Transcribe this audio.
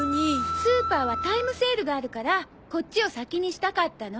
スーパーはタイムセールがあるからこっちを先にしたかったの。